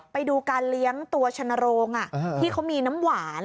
ไปดูการเลี้ยงตัวชนโรงที่เขามีน้ำหวาน